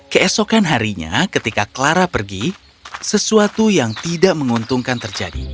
keesokan harinya ketika clara pergi sesuatu yang tidak menguntungkan terjadi